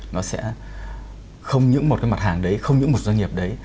nó sẽ không những một cái mặt hàng đấy không những một doanh nghiệp đấy